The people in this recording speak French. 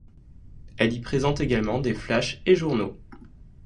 Elle y présente également des flashs et journaux.